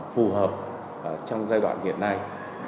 phù hợp trong giai đoạn hiện nay